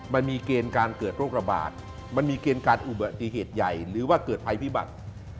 มันมีเกณฑ์การเกิดโรคระบาดมันมีเกณฑ์การอุบัติเหตุใหญ่หรือว่าเกิดภัยพิบัติ